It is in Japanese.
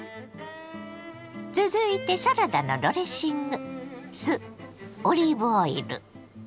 続いてサラダのドレッシング。